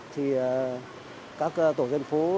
thì các tổ dân phố